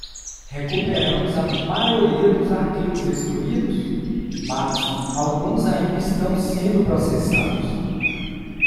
Recuperamos a maioria dos arquivos excluídos?, mas alguns ainda estão sendo processados.